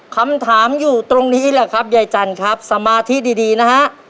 คำถามอยู่ตรงนี้แหละครับยายจันทร์ครับสมาธิดีนะฮะ